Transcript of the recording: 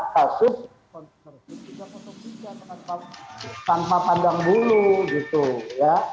kasus konversi tiga ratus tiga tanpa pandang bulu gitu ya